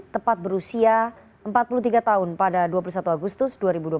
tepat berusia empat puluh tiga tahun pada dua puluh satu agustus dua ribu dua puluh